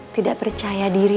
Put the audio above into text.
tidak percaya diri